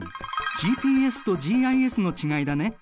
ＧＰＳとＧＩＳの違いだね。